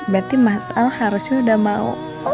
berarti mas al harusnya udah mau